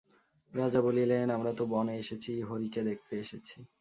রাজা বলিলেন, আমরা তো বনে এসেছি, হরিকে দেখতে এসেছি।